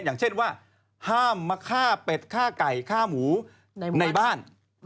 อย่างเช่นว่าห้ามมาฆ่าเป็ดฆ่าไก่ฆ่าหมูในบ้าน